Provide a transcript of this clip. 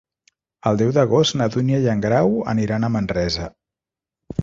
El deu d'agost na Dúnia i en Grau aniran a Manresa.